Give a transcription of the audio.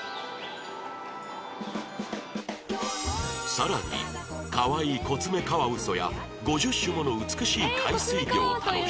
さらにかわいいコツメカワウソや５０種もの美しい海水魚を楽しみ